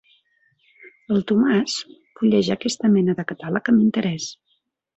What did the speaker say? El Tomàs fulleja aquesta mena de catàleg amb interès.